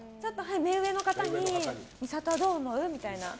目上の方に美里はどう思う？みたいな。